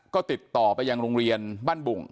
ก็ติดต่อไปยังโรงเรียนบ้านบุ่ง